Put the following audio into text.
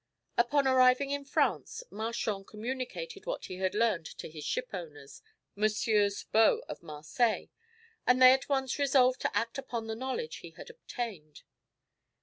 Upon arriving in France, Marchand communicated what he had learned to his ship owners, MM. Baux of Marseilles, and they at once resolved to act upon the knowledge he had obtained.